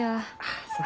あすまん。